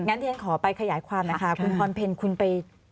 งั้นเทียนขอไปขยายความนะคะคุณพรเพ็ญคุณไป